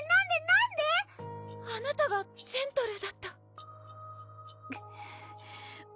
なんでぇ？あなたがジェントルーだった